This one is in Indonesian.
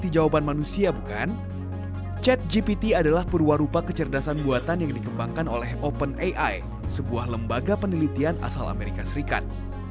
juga penelitian asal amerika serikat